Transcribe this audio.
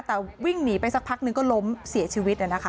แต่วิ่งหนีไปสักพักหนึ่งก็ล้มเสียชีวิตอ่ะนะคะครับ